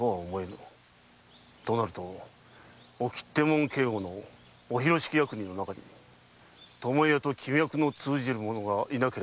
となると御切手門警護の御広敷役人の中に巴屋と気脈の通じる者がいなければならぬ。